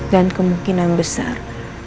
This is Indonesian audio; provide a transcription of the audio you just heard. dan kemungkinan besar